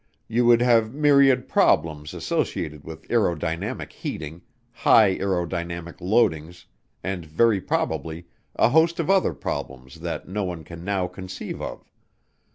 You would have myriad problems associated with aerodynamic heating, high aerodynamic loadings, and very probably a host of other problems that no one can now conceive of.